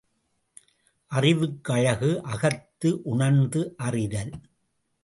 அறிவுக்கு அழகு அகத்து உணர்ந்து அறிதல்.